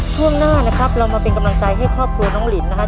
ช่วงหน้านะครับเรามาเป็นกำลังใจให้ครอบครัวน้องลินนะครับ